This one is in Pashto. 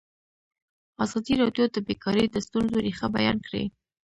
ازادي راډیو د بیکاري د ستونزو رېښه بیان کړې.